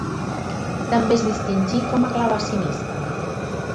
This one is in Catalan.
També es distingí com a clavecinista.